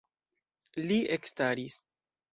Li ekstaris.